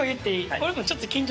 俺も。